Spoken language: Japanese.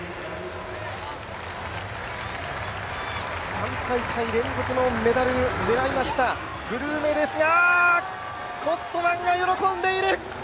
３大会連続のメダルを狙いましたブルーメですが、コットマンが喜んでいる！